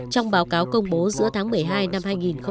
trong báo cáo công bố giữa tháng một mươi hai năm hai nghìn một mươi sáu